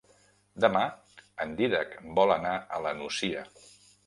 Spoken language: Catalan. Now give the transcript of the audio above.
Demà en Dídac vol anar a la Nucia.